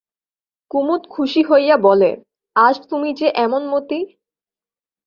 কুমুদ খুশি হইয়া বলে, আজ তুমি যে এমন মতি?